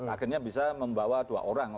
akhirnya bisa membawa dua orang